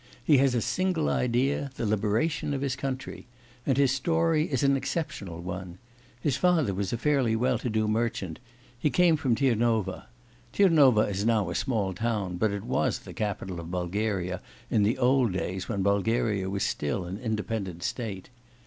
He has a single idea: the liberation of his country. And his story is an exceptional one. His father was a fairly well to do merchant; he came from Tirnova. Tirnova is now a small town, but it was the capital of Bulgaria in the old days when Bulgaria was still an independent state.